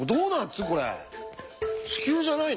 地球じゃない。